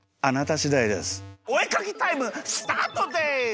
おえかきタイムスタートです！